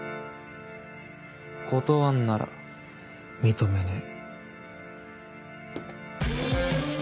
断んなら認めねぇ。